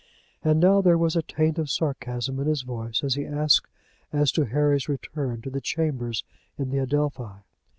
And now there was a taint of sarcasm in his voice as he asked as to Harry's return to the chambers in the Adelphi.